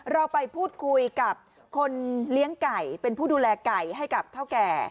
เราไปพูดคุยกับคนเลี้ยงไก่เป็นผู้ดูแลไก่ให้กับเท่าแก่